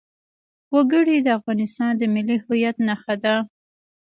وګړي د افغانستان د ملي هویت نښه ده.